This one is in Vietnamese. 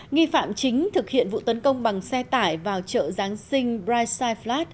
nghi phạm chính thực hiện vụ tấn công bằng xe tải vào chợ giáng sinh brightside flat